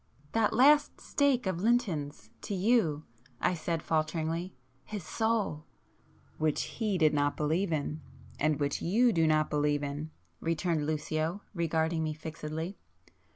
"That last stake of Lynton's, ... to you—" I said falteringly—"His soul——" [p 115]"Which he did not believe in, and which you do not believe in!" returned Lucio, regarding me fixedly.